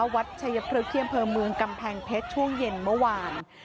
วัดชัยพฤกษ์ที่อำเภอเมืองกำแพงเพชรช่วงเย็นเมื่อวาน